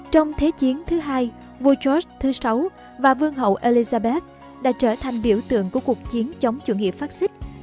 trong thế chiến thứ hai vua chốt thứ sáu và vương hậu elizabeth đã trở thành biểu tượng của cuộc chiến chống chủ nghĩa phát xích